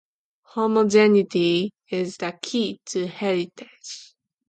Homogeneity is the key to heritage.